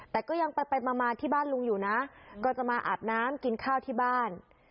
แต่ก็ยังไปไปมาที่บ้านลุงอยู่นะก็จะมาอาบน้ำกินข้าวที่บ้าน